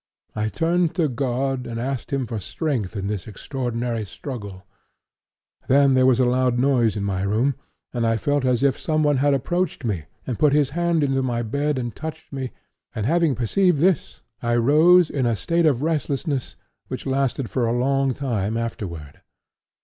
I turned to God and asked Him for strength in this extraordinary struggle. Then there was a loud noise in my room, and I felt as if someone had approached me and put his hand into my bed and touched me; and having perceived this I rose, in a state of restlessness, which lasted for a long time afterward.